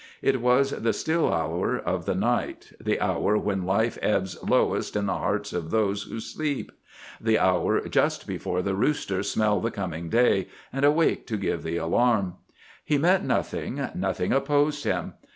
It was the still hour of the night. The hour when life ebbs lowest in the hearts of those who sleep; the hour just before the roosters smell the coming day and awake to give the alarm. He met nothing, nothing opposed him.